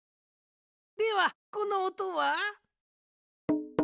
ではこのおとは？